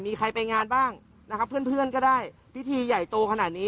มีใครไปงานบ้างนะครับเพื่อนก็ได้พิธีใหญ่โตขนาดนี้